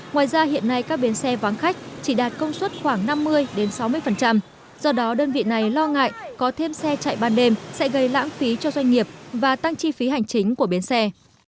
ngoài ra hiện nay các bến xe vắng khách chỉ đạt công suất khoảng năm mươi sáu mươi do đó đơn vị này lo ngại có thêm xe chạy ban đêm sẽ gây lãng phí cho doanh nghiệp và tăng chi phí hành chính của bến xe